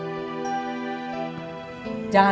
ibu sama bapak becengek